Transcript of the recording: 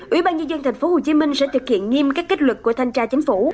ủy ban nhân dân tp hcm sẽ thực hiện nghiêm các kết luận của thanh tra chính phủ